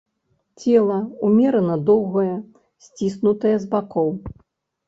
Цела умерана доўгае, сціснутае з бакоў.